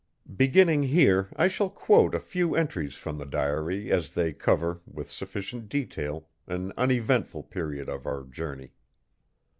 Beginning here I shall quote a few entries from the diary as they cover, with sufficient detail, an uneventful period of our journey.